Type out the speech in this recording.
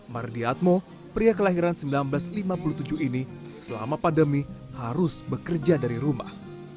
mardiatmo pria kelahiran seribu sembilan ratus lima puluh tujuh ini selama pandemi harus bekerja dari rumah